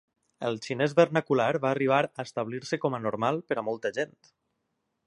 El xinès vernacular va arribar a establir-se com a normal per a molta gent.